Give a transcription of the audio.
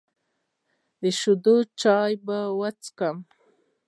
د شیدو چای به وڅښم.